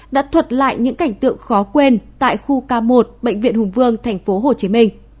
đã thuật lại những cảnh tượng khó quên tại khu k một bệnh viện hùng vương thành phố hồ chí minh